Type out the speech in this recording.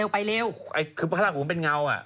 พระระหูเป็นเงา